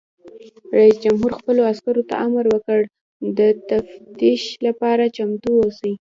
رئیس جمهور خپلو عسکرو ته امر وکړ؛ د تفتیش لپاره چمتو اوسئ!